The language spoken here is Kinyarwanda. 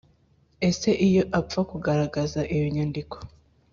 ese iyo apfa kugaragaza iyo nyandiko